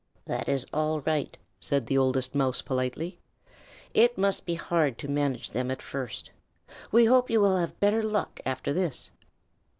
"That is all right," said the Oldest Mouse politely. "It must be hard to manage them at first. We hope you will have better luck after this."